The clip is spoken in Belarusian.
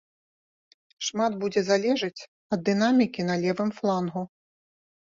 Шмат будзе залежыць ад дынамікі на левым флангу.